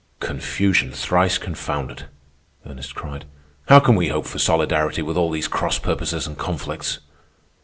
"Confusion thrice confounded!" Ernest cried. "How can we hope for solidarity with all these cross purposes and conflicts?"